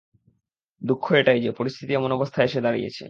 দুঃখ এটাই যে, পরিস্থিতি এমন অবস্থায় এসে দাঁড়িয়েছে।